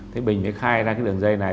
thế bình mới khai ra cái đường dây này